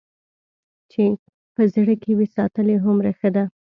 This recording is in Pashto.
چې په زړه کې وي ساتلې هومره ښه ده.